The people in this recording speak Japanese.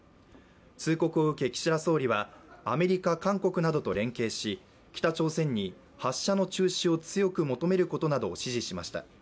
通告を受け岸田総理はアメリカ、韓国などと連携し北朝鮮に発射の中止を強く求めることなどを指示しました。